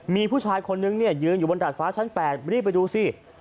มีผู้ชายคนนึงเนี่ยยืนอยู่บนดาดฟ้าชั้น๘รีบไปดูสิ